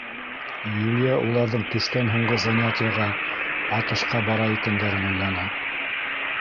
Юлия уларҙың төштән һуңғы занятиеға — атышҡа бара икәндәрен уйланы.